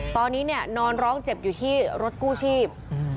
ตอนนี้เนี่ยนอนร้องเจ็บอยู่ที่รถกู้ชีพ